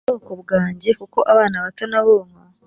ubwoko bwanjye kuko abana bato n abonka